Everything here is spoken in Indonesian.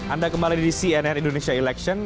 anda kembali di cnn indonesia election